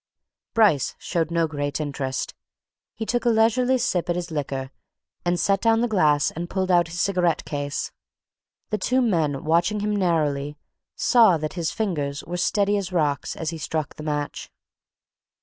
Bryce showed no great interest. He took a leisurely sip at his liquor and set down the glass and pulled out his cigarette case. The two men, watching him narrowly, saw that his fingers were steady as rocks as he struck the match.